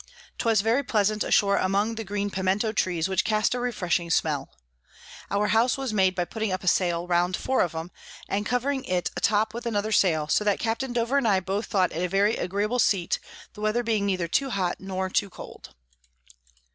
'Twas very pleasant ashore among the green Piemento Trees, which cast a refreshing Smell. Our House was made by putting up a Sail round four of 'em, and covering it a top with another Sail; so that Capt. Dover and I both thought it a very agreeable Seat, the Weather being neither too hot nor too cold.